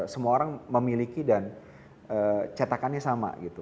semua orang memiliki dan cetakannya sama gitu